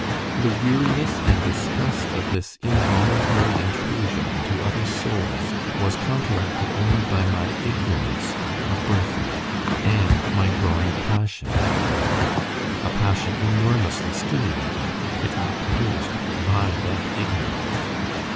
The weariness and disgust of this involuntary intrusion into other souls was counteracted only by my ignorance of Bertha, and my growing passion for her; a passion enormously stimulated, if not produced, by that ignorance.